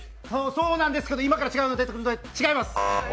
そうなんですけど、今から違うのが出てくるので違います。